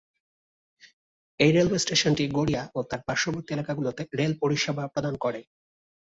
এই রেলওয়ে স্টেশনটি গড়িয়া ও তার পার্শ্ববর্তী এলাকাগুলিতে রেল পরিষেবা প্রদান করে।